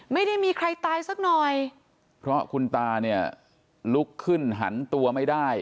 ไม่ได้มีใครตายสักหน่อยเพราะคุณตาเนี่ยลุกขึ้นหันตัวไม่ได้